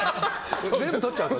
全部取っちゃう。